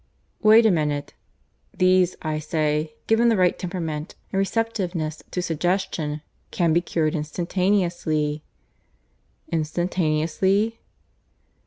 "Wait a minute. These, I say, given the right temperament and receptiveness to suggestion, can be cured instantaneously." "Instantaneously?"